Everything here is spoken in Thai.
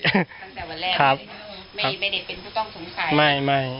ไม่ได้เป็นผู้ต้องสงสัย